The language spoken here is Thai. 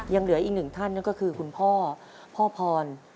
ยังเหลืออีกหนึ่งท่านนั่นก็คือคุณพ่อพ่อพร